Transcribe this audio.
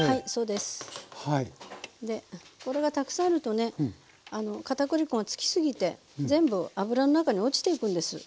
でこれがたくさんあるとね片栗粉がつきすぎて全部油の中に落ちていくんです。